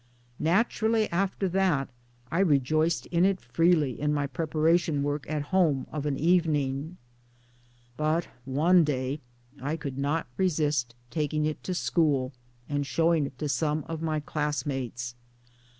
Naturally after that I rejoiced in it freely in my preparation work at home of an evening. But one day I could not resist taking it to school and showing it to some of my class mates.